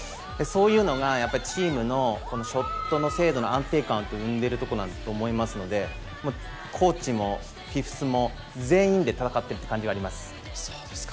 そういうのが、チームのショットの精度の安定感を生んでいるところだとおもいますので、コーチもフィフスも全員で戦っているという感じがあります。